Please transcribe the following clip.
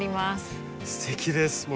すてきです。